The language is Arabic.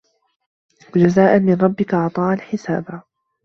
جَزاءً مِن رَبِّكَ عَطاءً حِسابًا